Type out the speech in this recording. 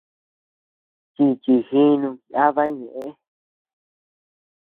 Chíchi jinuu yada ñeʼë.